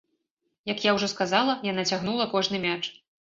Як я ўжо сказала, яна цягнула кожны мяч.